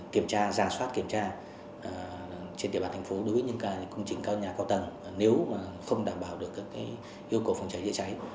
kiểm tra giả soát kiểm tra trên địa bàn thành phố đối với những công trình cao nhà cao tầng nếu mà không đảm bảo được các yêu cầu phòng cháy chữa cháy